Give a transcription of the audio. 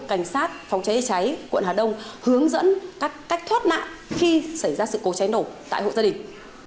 cảnh sát phòng cháy cháy quận hà đông hướng dẫn cách thoát nạn khi xảy ra sự cố cháy nổ tại hộ gia đình